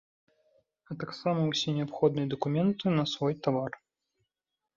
А таксама ўсе неабходныя дакументы на свой тавар.